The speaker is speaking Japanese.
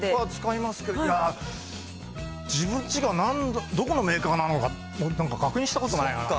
僕は使いますけど、自分ちがどこのメーカーなのか、確認したことないな。